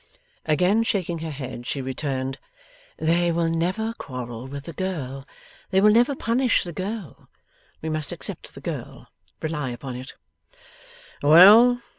Again shaking her head, she returned: 'They will never quarrel with the girl. They will never punish the girl. We must accept the girl, rely upon it.' 'Well!